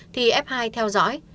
thì f hai theo dõi